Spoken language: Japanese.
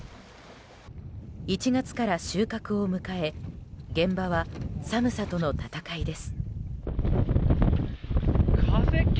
１月から収穫を迎え現場は寒さとの戦いです。